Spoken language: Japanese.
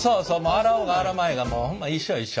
洗おうが洗うまいがホンマ一緒一緒。